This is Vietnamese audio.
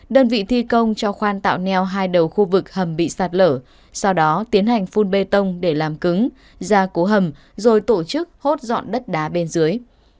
đơn vị thi công cho khoan tạo neo hai đầu khu vực hầm bị sạt lở sau đó tiến hành phun bê tông để làm cứng ra cố hầm rồi tổ chức hốt dọn đất đá bên dưới